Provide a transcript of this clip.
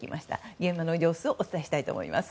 現場の様子をお伝えしたいと思います。